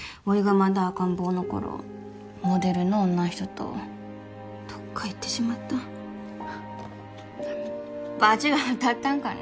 まだ赤ん坊の頃モデルの女ん人とどっか行ってしまったバチが当たったんかね